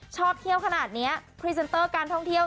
ชอบเที่ยวขนาดนี้พรีเซนเตอร์การท่องเที่ยว